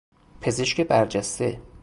پزشک برجسته